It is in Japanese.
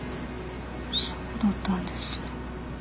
そうだったんですか。